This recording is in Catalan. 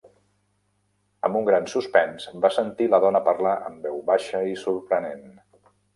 Amb un gran suspens, va sentir la dona parlar amb veu baixa i sorprenent.